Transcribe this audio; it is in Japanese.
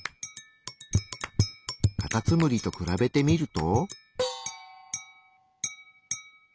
カタツムリと比べてみると。